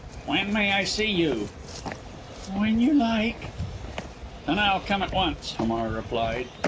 "When may I see you?" "When you like." "Then I'll come at once," Hamar replied.